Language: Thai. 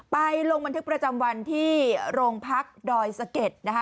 ลงบันทึกประจำวันที่โรงพักดอยสะเก็ดนะคะ